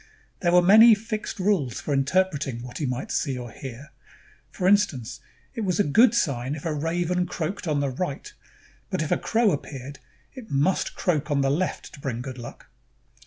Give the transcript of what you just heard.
There were many fixed rules for interpreting what he might see or hear. For instance, it was a good sign if a raven croaked on the right; but if a crow appeared, it must croak on the left to bring good luck.